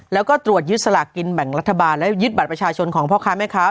แล้วก็ตรวจยึดสลากกินแบ่งรัฐบาลแล้วยึดบัตรประชาชนของพ่อค้าแม่ค้า